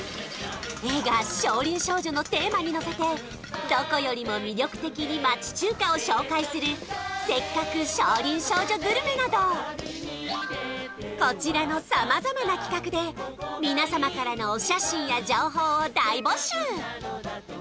映画「少林少女」のテーマにのせてどこよりも魅力的に町中華を紹介するせっかく少林少女グルメなどこちらの様々な企画でみなさまからのお写真や情報を大募集！